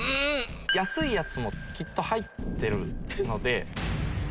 安いやつもきっと入ってるので。